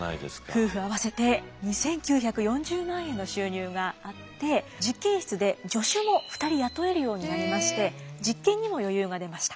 夫婦合わせて２，９４０万円の収入があって実験室で助手も２人雇えるようになりまして実験にも余裕が出ました。